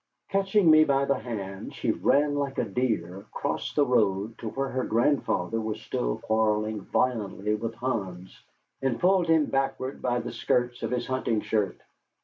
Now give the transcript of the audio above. Catching me by the hand, she ran like a deer across the road to where her grandfather was still quarrelling violently with Hans, and pulled him backward by the skirts of his hunting shirt.